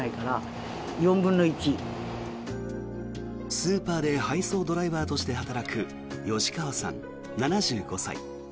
スーパーで配送ドライバーとして働く吉川さん、７５歳。